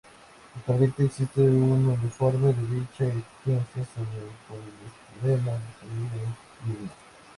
Actualmente existe un informe de dicha agencia sobre el poliestireno disponible en línea.